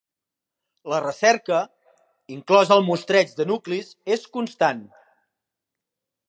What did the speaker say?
La recerca, inclòs el mostreig de nuclis, és constant.